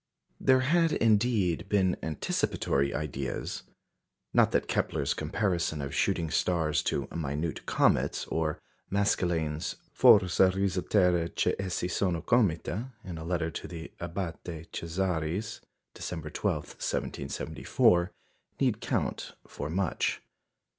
There had, indeed, been anticipatory ideas. Not that Kepler's comparison of shooting stars to "minute comets," or Maskelyne's "forse risulterà che essi sono comete," in a letter to the Abate Cesaris, December 12, 1774, need count for much.